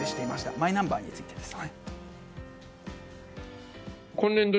マイナンバーについてです。